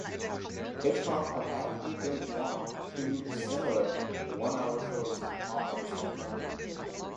Hitchcock apparently didn't want two similar one-hour shows on at the same time.